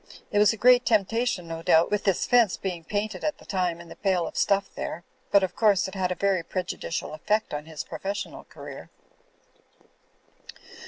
It was a great temptation, no doubt, with this fence being painted at the time and the pail of stuff there ; but, of course, it had a very prejudicial effect on his professional career."